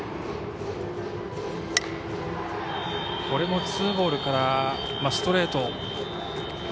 これもツーボールからストレート。